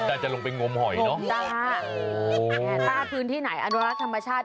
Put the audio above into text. จะลงไปงมหอยเนาะถ้าพื้นที่ไหนอนุรักษ์ธรรมชาติ